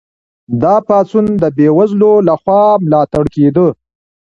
دا پاڅون د بې وزلو لخوا ملاتړ کیده.